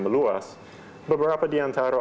meluas beberapa diantara